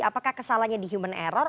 apakah kesalahannya di human error